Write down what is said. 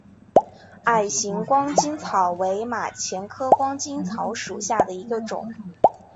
矮形光巾草为马钱科光巾草属下的一个种。